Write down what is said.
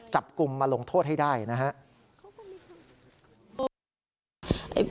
จับกลุ่มมาลงโทษให้ได้นะครับ